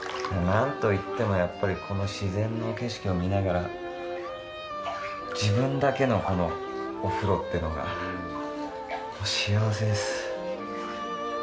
何といっても、やっぱりこの自然の景色を見ながら自分だけのお風呂ってのが幸せです。